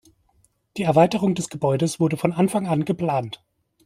Die Erweiterung des Gebäudes wurde von Anfang an geplant.